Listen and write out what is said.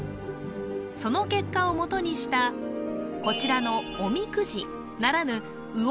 その結果をもとにしたこちらのおみくじならぬう